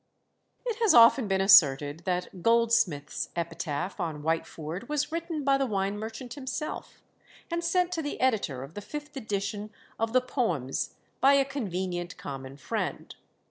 It has often been asserted that Goldsmith's epitaph on Whitefoord was written by the wine merchant himself, and sent to the editor of the fifth edition of the Poems by a convenient common friend.